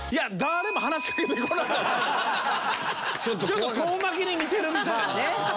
ちょっと遠巻きに見てるみたいな。